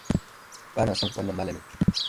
Ba na son wannan malamin.